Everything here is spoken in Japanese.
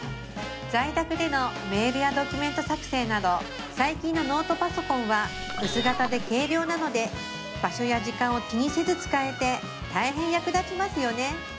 在宅でのメールやドキュメント作成など最近のノートパソコンは薄型で軽量なので場所や時間を気にせず使えて大変役立ちますよね